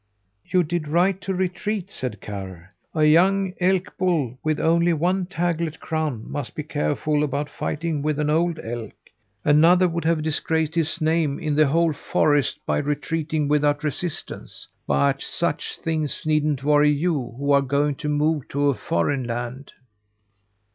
"You did right to retreat," said Karr. "A young elk bull with only a taglet crown must be careful about fighting with an old elk. Another would have disgraced his name in the whole forest by retreating without resistance, but such things needn't worry you who are going to move to a foreign land."